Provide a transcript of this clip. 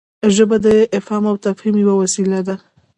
ژبه د افهام او تفهیم یوه وسیله ده.